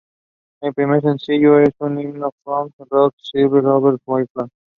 Gallo is an Adjunct Associate Professor at Pratt Institute and works as an artist.